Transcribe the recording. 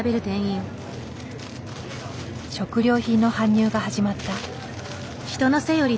食料品の搬入が始まった。